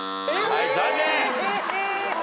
はい残念。